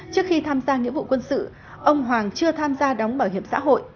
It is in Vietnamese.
trước khi tham gia nghĩa vụ quân sự ông hoàng chưa tham gia đóng bảo hiểm xã hội